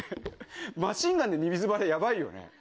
マシンガンでみみずばれやばいよね。